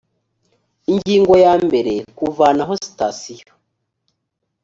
ingingo ya mbere kuvanaho sitasiyo